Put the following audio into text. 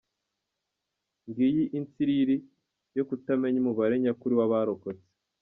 Ngiyi insiriri yo kutamenya umubare nyakuri w’abarokotse.